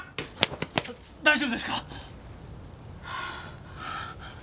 大丈夫ですか！？